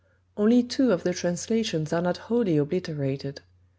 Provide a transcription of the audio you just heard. Only two of the translations are not wholly obliterated.